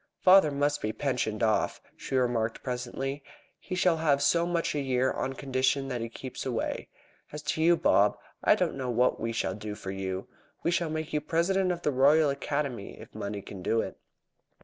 "Father must be pensioned off," she remarked presently. "He shall have so much a year on condition that he keeps away. As to you, Bob, I don't know what we shall do for you. We shall make you President of the Royal Academy if money can do it."